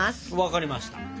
わかりました。